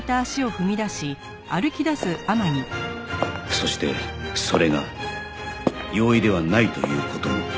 そしてそれが容易ではないという事も